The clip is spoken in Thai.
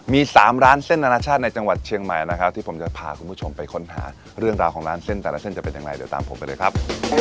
มี๓ร้านเส้นอนาชาติในจังหวัดเชียงใหม่นะครับที่ผมจะพาคุณผู้ชมไปค้นหาเรื่องราวของร้านเส้นแต่ละเส้นจะเป็นอย่างไรเดี๋ยวตามผมไปเลยครับ